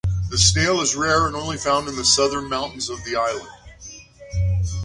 The snail is rare and only found on the southern mountains of the island.